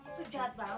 itu jahat banget